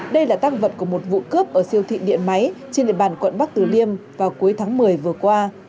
đây là tăng vật của một vụ cướp ở siêu thị điện máy trên địa bàn quận bắc từ liêm vào cuối tháng một mươi vừa qua